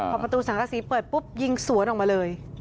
พอประตูสังกษีเปิดปุ๊บยิงสวนออกมาเลย